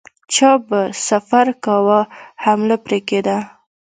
چا به سفر کاوه حمله پرې کېده.